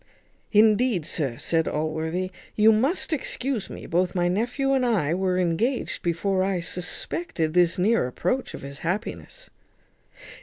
"Indeed, sir," said Allworthy, "you must excuse me; both my nephew and I were engaged before I suspected this near approach of his happiness."